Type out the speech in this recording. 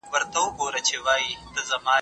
له هغو کسانو سره اوسئ چي مثبت دي.